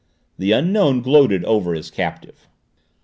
The Unknown gloated over his captive.